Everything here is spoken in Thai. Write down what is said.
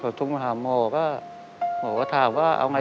อเรนนี่ต้องมีวัคซีนตัวหนึ่งเพื่อที่จะช่วยดูแลพวกม้ามและก็ระบบในร่างกาย